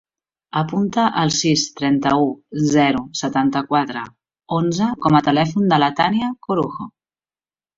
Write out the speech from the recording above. Apunta el sis, trenta-u, zero, setanta-quatre, onze com a telèfon de la Tània Corujo.